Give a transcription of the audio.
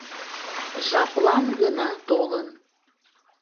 Жаплан гына толын.